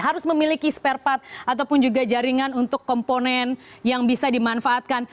harus memiliki spare part ataupun juga jaringan untuk komponen yang bisa dimanfaatkan